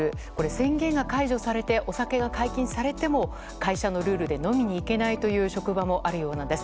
宣言が解除されてお酒が解禁されても会社のルールで飲みに行けないという職場もあるようなんです。